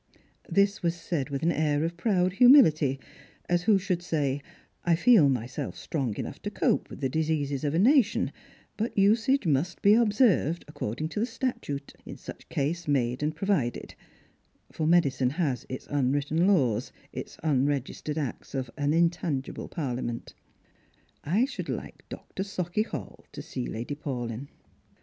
This was said with an air of proud humility, as who should say, " I feel myself strong enough to cope with the diseases of a nation, but usage must be observed, according to the statute in such case made and provided ;" for medicine has its unwritten laws, its unregistered acts of an intangible parliament. " I should like Dr. Sauchie hall to see Lady Paulyn."